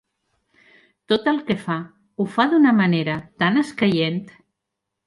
Tot el que fa, ho fa d'una manera tan escaient!